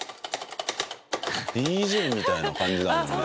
ＤＪみたいな感じだもんね。